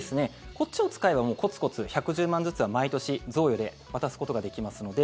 こっちを使えばコツコツ１１０万円ずつは毎年、贈与で渡すことができますので。